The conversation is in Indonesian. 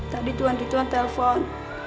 tadi tuan dituan telpon